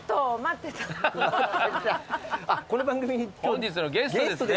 本日のゲストですね。